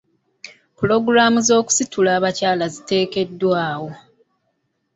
Pulogulaamu z'okusitula abakyala ziteekeddwawo.